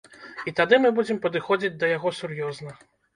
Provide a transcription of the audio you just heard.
І тады мы будзем падыходзіць да яго сур'ёзна.